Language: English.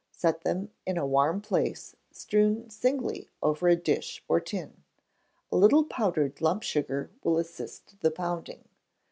Set them in a warm place, strewn singly over a dish or tin. A little powdered lump sugar will assist the pounding.